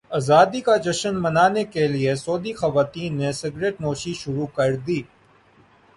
ازادی کا جشن منانے کے لیے سعودی خواتین نے سگریٹ نوشی شروع کردی